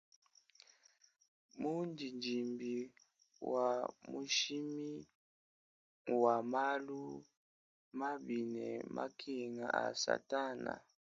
Mundidimbi wa mushimi wa malu mabi ne makenga a satana.